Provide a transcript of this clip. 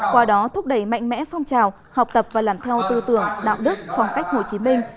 qua đó thúc đẩy mạnh mẽ phong trào học tập và làm theo tư tưởng đạo đức phong cách hồ chí minh